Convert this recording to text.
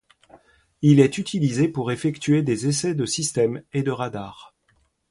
Il est utilisé pour effectuer des essais de systèmes et de radar.